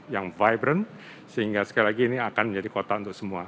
yang vibran sehingga sekali lagi ini akan menjadi kota untuk semua